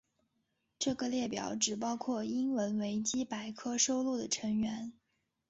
这个列表只包括英文维基百科收录的成员。